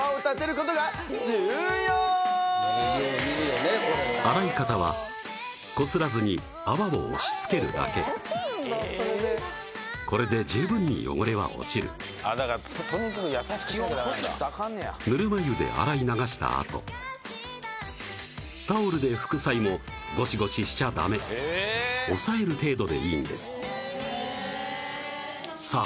これは洗い方はこすらずに泡を押しつけるだけこれで十分に汚れは落ちる基本こすったらあかんねやぬるま湯で洗い流したあとタオルで拭く際もゴシゴシしちゃダメ押さえる程度でいいんですさあ